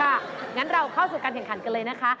งั้นเราเข้าสู่การแข่งขันกันเลยนะคะ